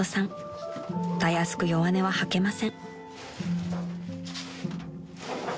［たやすく弱音は吐けません］